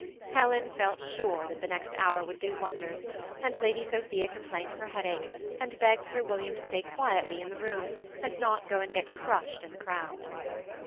Helen felt sure that the next hour would do wonders ; and Lady Sophia complained of her headache, and begged Sir William to stay quietly in the room, and not go and get crushed in the crowd.